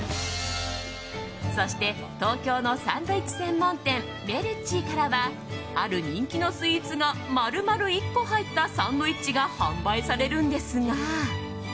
そして東京のサンドイッチ専門店Ｍｅｒｃｉからはある人気のスイーツが丸々１個入ったサンドイッチが販売されるんですが